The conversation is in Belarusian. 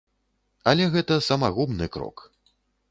Але гэта самагубны крок.